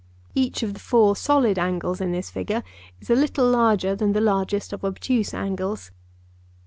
Each of the four solid angles in this figure is a little larger than the largest of obtuse angles.